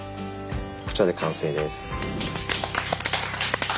こちらで完成です。